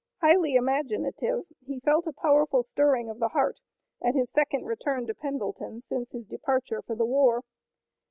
Highly imaginative, he felt a powerful stirring of the heart, at his second return to Pendleton since his departure for the war.